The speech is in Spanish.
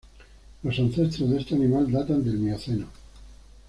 Los ancestros de este animal datan del Mioceno.